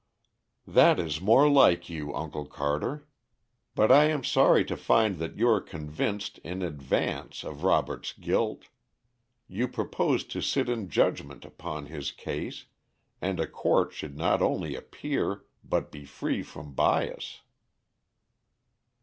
"That is more like you, Uncle Carter. But I am sorry to find that you are convinced, in advance, of Robert's guilt. You propose to sit in judgment upon his case, and a court should not only appear but be free from bias."